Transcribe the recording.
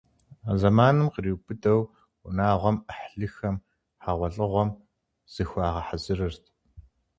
А зэманым къриубыдэу унагъуэм, Ӏыхьлыхэм хьэгъуэлӀыгъуэм зыхуагъэхьэзырырт.